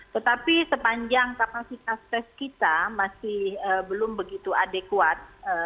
tetapi sepanjang kapasitas tes kita masih belum begitu adekuat